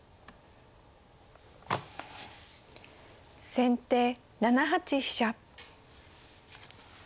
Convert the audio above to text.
先手７八飛車。